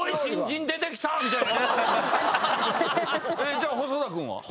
じゃあ細田君は？